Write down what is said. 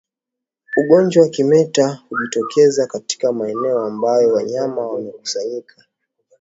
Ugonjwa wa kimeta hujitokeza katika maeneo ambayo wanyama wamekusanyika